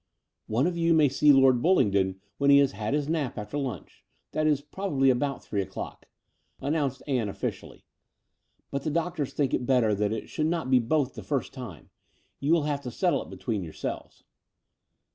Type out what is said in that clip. One of you may see Lord Bullingdon when he has had his nap after lunch — that is, probably about three o'clock —" announced Ann officially: "but the doctors think it better that it should not be both the first time. You will have to settle it between yourselves."